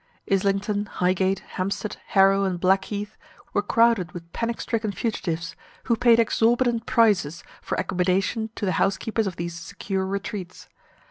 Islington, Highgate, Hampstead, Harrow, and Blackheath, were crowded with panic stricken fugitives, who paid exorbitant prices for accommodation to the housekeepers of these secure retreats.